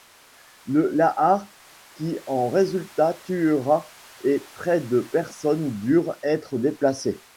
Le lahar qui en résulta tuera et près de personnes durent être déplacées.